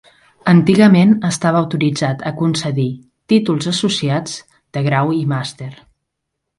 Antigament estava autoritzat a concedir, títols associats, de grau i màster.